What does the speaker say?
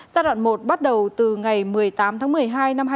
giai đoạn một bắt đầu từ ngày một mươi tám tháng một mươi hai năm hai nghìn hai mươi